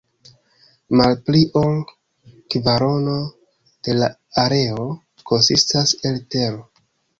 Malpli ol kvarono de la areo konsistas el tero.